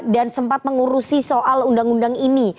dan sempat mengurusi soal undang undang ini